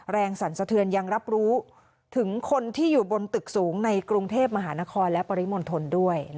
สั่นสะเทือนยังรับรู้ถึงคนที่อยู่บนตึกสูงในกรุงเทพมหานครและปริมณฑลด้วย